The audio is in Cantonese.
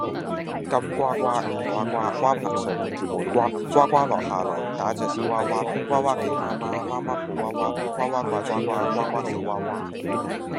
金瓜瓜，銀瓜瓜，瓜棚上面結滿瓜。瓜瓜落下來，打着小娃娃；娃娃叫媽媽，媽媽抱娃娃；娃娃怪瓜瓜，瓜瓜笑娃娃